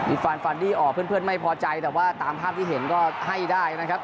ฟานฟานดี้ออกเพื่อนไม่พอใจแต่ว่าตามภาพที่เห็นก็ให้ได้นะครับ